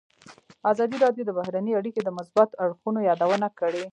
ازادي راډیو د بهرنۍ اړیکې د مثبتو اړخونو یادونه کړې.